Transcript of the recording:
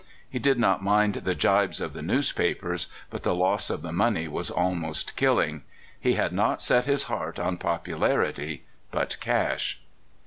He did not mind the gibes of the newspapers, but the loss of the money was almost killing. He had not set his heart on popu larity, but cash.